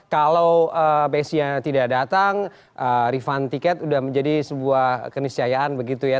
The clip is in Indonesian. kalau messi tidak datang refund tiket sudah menjadi sebuah kenisayaan begitu ya